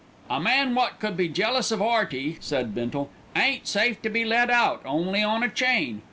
"A man wot could be jealous of 'Earty," said Bindle, "ain't safe to be let out, only on a chain.